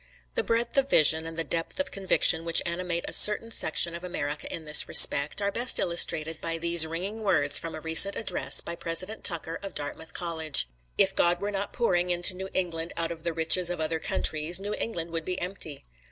The breadth of vision and the depth of conviction which animate a certain section of America in this respect, are best illustrated by these ringing words from a recent address by President Tucker of Dartmouth College: "If God were not pouring into New England out of the riches of other countries, New England would be empty.